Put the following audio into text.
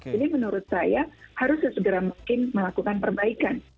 jadi menurut saya harus sesegera mungkin melakukan perbaikan